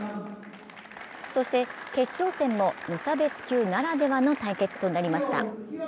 そして決勝戦も無差別級ならではの対決となりました。